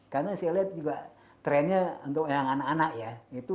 karena saya lihat juga trennya untuk yang anak anak ya